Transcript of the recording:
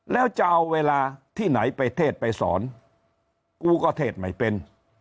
แล้วจะเอาเวลาที่ไหนไปเทศไปสอนกูก็เทศไม่เป็น